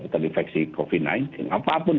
terinfeksi covid sembilan belas apapun